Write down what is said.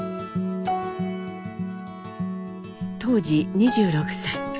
当時２６歳。